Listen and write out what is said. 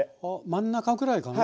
真ん中くらいかな？